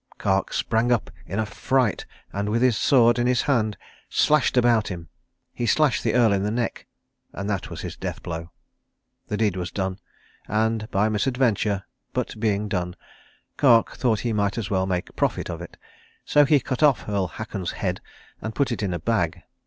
Kark sprang up in a fright and with a sword in his hand slashed about him. He slashed the Earl in the neck; and that was his death blow. The deed was done, and by misadventure, but being done, Kark thought he might as well make profit off it. So he cut off Earl Haakon's head and put it in a bag.